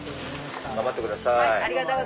頑張ってください。